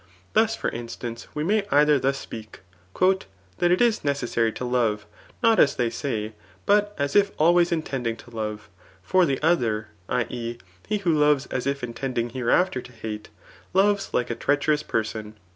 Thus for instance, we may either tfans speak^ ^ That it is necessary to k>ve» not as they say, but as if always intending to love ; for the other JjL e. he who loves as if intending hereafter to hate^ lovM like a treacherous person."